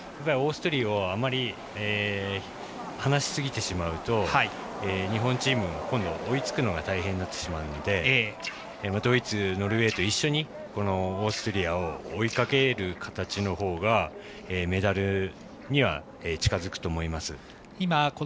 オーストリアをあまり離しすぎてしまうと日本チーム、今度追いつくのが大変になってしまうのでドイツ、ノルウェーと一緒にオーストリアを追いかける形のほうがメダルには、近づくと思います。